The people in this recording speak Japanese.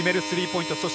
スリーポイント